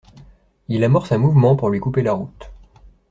Il amorce un mouvement pour lui couper la route.